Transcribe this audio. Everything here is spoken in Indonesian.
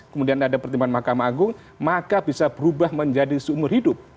kemudian ada pertimbangan mahkamah agung maka bisa berubah menjadi seumur hidup